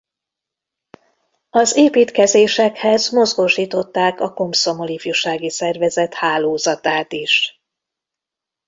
Az építkezésekhez mozgósították a Komszomol ifjúsági szervezet hálózatát is.